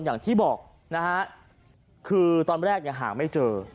อย่างที่บอกนะฮะคือตอนแรกเนี่ยหาไม่เจอ